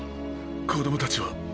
子供たちは？